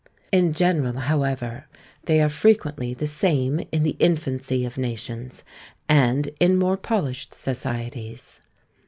In general, however, they are frequently the same in the infancy of nations, and in more polished societies.